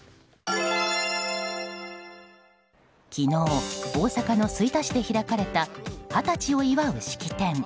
昨日、大阪の吹田市で開かれた二十歳を祝う式典。